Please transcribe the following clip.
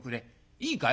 いいかい」。